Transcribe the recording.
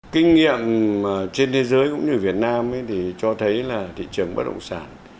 kinh nghiệm trên thế giới cũng như việt nam thì cho thấy là thị trường bất động sản